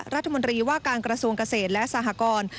รัฐมนตรีว่าการกระทรวงเกษตรและสหกร